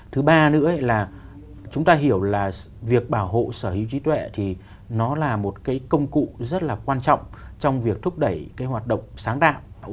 thứ ba nữa là chúng ta hiểu là việc bảo hộ sở hữu trí tuệ thì nó là một cái công cụ rất là quan trọng trong việc thúc đẩy cái hoạt động sáng tạo